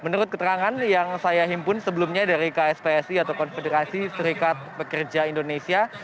menurut keterangan yang saya himpun sebelumnya dari kspsi atau konfederasi serikat pekerja indonesia